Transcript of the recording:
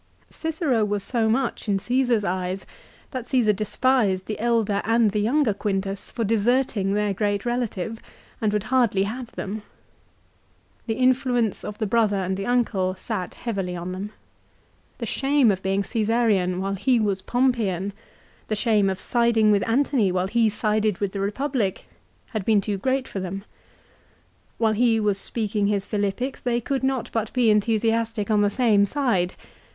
Cicero was so much in Caasar's eyes that Csesar despised the elder and the younger Quintus for deserting their great relative and would hardly have them. The influence of the brother and the uncle sat heavily on them. The shame of being Csesarean while he was Pompeian, the shame of siding with Antony while he sided with the Re public, had been too great for them. While he was speaking his Philippics they could not but be enthusiastic on the same side.